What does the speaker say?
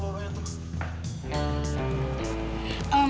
oh banyak tuh